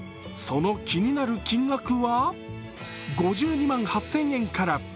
その気になる金額は５２万８０００円から。